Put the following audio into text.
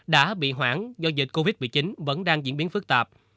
đã bị hoãn do dịch covid một mươi chín vẫn đang diễn biến phức tạp